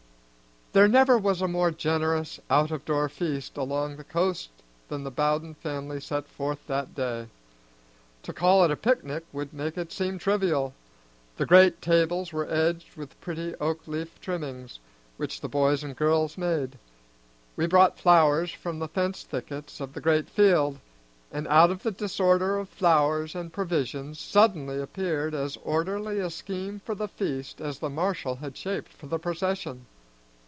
There never was a more generous out of door feast along the coast then the Bowden family set forth that day. To call it a picnic would make it seem trivial. The great tables were edged with pretty oak leaf trimming, which the boys and girls made. We brought flowers from the fence thickets of the great field; and out of the disorder of flowers and provisions suddenly appeared as orderly a scheme for the feast as the marshal had shaped for the procession.